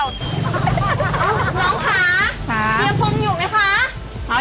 น้องค่ะเฮียโพงอยู่ไหมคะ